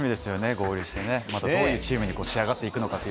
合流してどういうチームに仕上がっていくか。